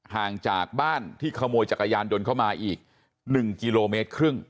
ห่างจากบ้านที่ขโมยจักรยานยนต์เข้ามาอีก๑กิโลเมตรครึ่ง